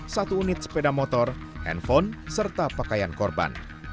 satu unit sepeda motor handphone serta pakaian korban